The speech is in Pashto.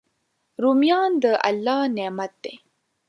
رومیان د الله نعمت دی